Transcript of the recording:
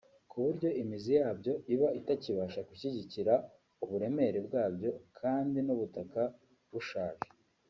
ku buryo imizi yabyo iba itakibasha gushyigikira uburemere bwabyo kandi n’ubutaka bushaje